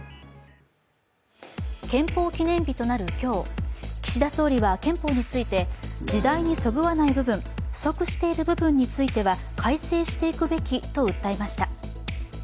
憲法記念日となる今日、岸田総理は憲法について、時代にそぐわない部分不足している部分については改正していくべきと訴えました。